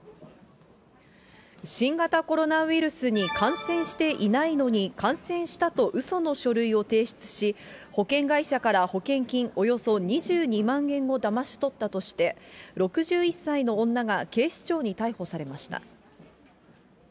新型コロナウイルスに感染していないのに、感染したとうその書類を提出し、保険会社から保険金およそ２２万円をだまし取ったとして、６１歳の女が警視庁に逮捕されました。